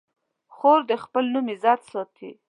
خور د خپل نوم عزت ساتي.